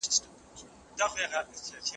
انساني ټولنه د پرمختګ په حال کي ده.